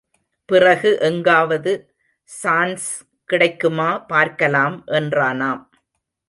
பிறகு எங்காவது சான்ஸ் கிடைக்குமா பார்க்கலாம் என்றானாம்.